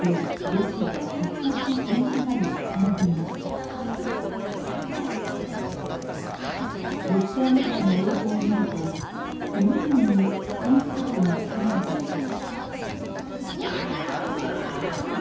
ロシアメディアの映像を見ると次々に既成事実が作られています。